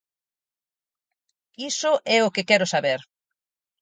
Iso é o que quero saber.